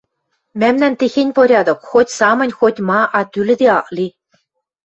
Мӓмнӓн техень порядок: хоть самынь, хоть ма, а тӱлӹде ак ли.